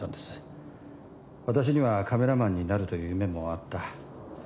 私にはカメラマンになるという夢もあった。